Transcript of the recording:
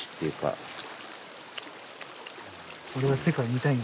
俺は世界を見たいんだ？